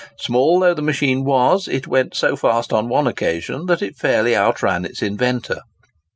Small though the machine was, it went so fast on one occasion that it fairly outran its inventor.